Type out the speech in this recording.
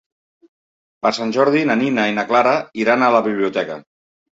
Per Sant Jordi na Nina i na Clara iran a la biblioteca.